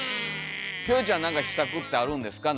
キョエちゃん何か秘策ってあるんですか？